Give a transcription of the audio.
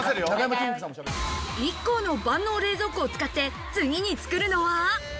ＩＫＫＯの万能冷蔵庫を使って次に作るのは。